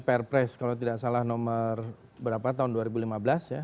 melalui pr press kalau tidak salah nomor berapa tahun dua ribu lima belas ya